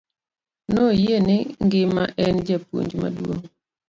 Noyie ni ng'ima en japuonj maduong'.